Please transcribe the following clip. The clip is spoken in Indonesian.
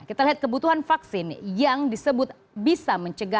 kita lihat kebutuhan vaksin yang disebut bisa mencegah